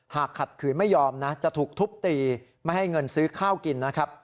ขัดขืนไม่ยอมนะจะถูกทุบตีไม่ให้เงินซื้อข้าวกินนะครับ